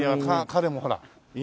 彼もほら犬